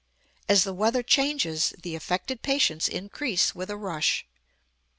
As the weather changes, the affected patients increase with a rush.